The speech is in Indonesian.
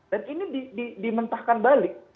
dan ini di mentahkan balik